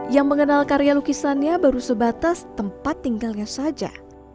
yang mengenal karya lukisannya baru sebatas tempat tinggalnya saja